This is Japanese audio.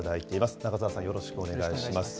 中澤さん、よろしくお願いします。